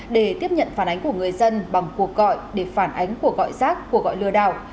để tiếp nhận phản ánh của người dân bằng cuộc gọi để phản ánh cuộc gọi rác cuộc gọi lừa đảo